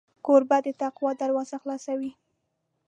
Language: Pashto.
کوربه د تقوا دروازې خلاصوي.